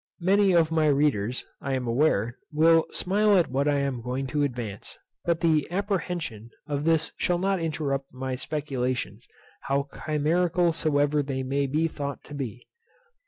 Many of my readers, I am aware, will smile at what I am going to advance; but the apprehension of this shall not interrupt my speculations, how chimerical soever they may be thought to be.